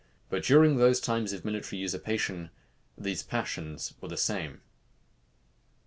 But during those times of military usurpation, these passions were the same.